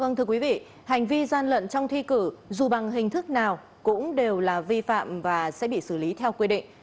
vâng thưa quý vị hành vi gian lận trong thi cử dù bằng hình thức nào cũng đều là vi phạm và sẽ bị xử lý theo quy định